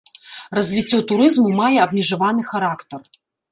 Развіццё турызму мае абмежаваны характар.